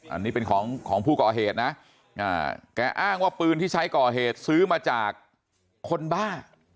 อันนี้เป็นของของผู้ก่อเหตุนะแกอ้างว่าปืนที่ใช้ก่อเหตุซื้อมาจากคนบ้า